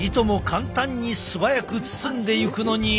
簡単に素早く包んでいくのに。